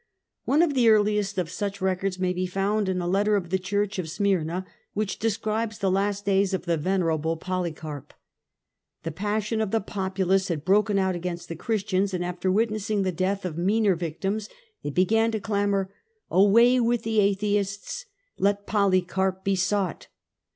One of the earliest of such records may be found in a letter of the church of bmyrna which describes the last days of the tyrdom of venerable Poly carp. The passion of the E^eb^'ist. populace had broken out against the Christians, and after witnessing the death of meaner victims, they began to clamour ^ Away with the Atheists! ^* Let Poly carp be sought.